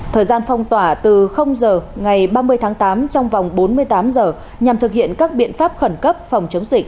thời gian phong tỏa từ giờ ngày ba mươi tháng tám trong vòng bốn mươi tám giờ nhằm thực hiện các biện pháp khẩn cấp phòng chống dịch